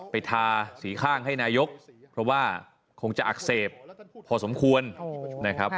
ทาสีข้างให้นายกเพราะว่าคงจะอักเสบพอสมควรนะครับ